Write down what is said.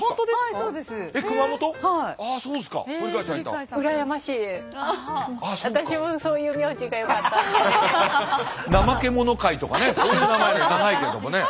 そういう名前長いけどもね。